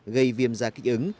gây viêm da kích ứng